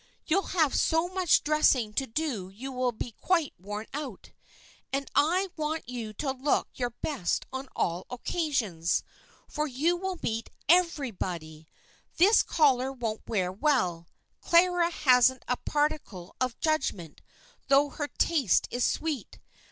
You'll have so much dressing to do you will be quite worn out; and I want you to look your best on all occasions, for you will meet everybody. This collar won't wear well; Clara hasn't a particle of judgment, though her taste is sweet.